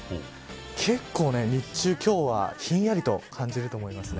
結構、日中、今日はひんやりと感じると思います。